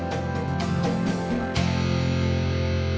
saya enak dalam sebuah moment